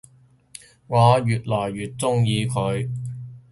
我愈來愈鍾意佢